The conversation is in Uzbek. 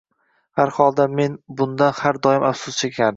Har holda, men bundan har doim afsus chekardim